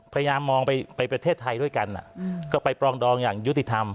พยายามมองไปประเทศไทยด้วยกันก็ไปปรองดองอย่างยุติธรรม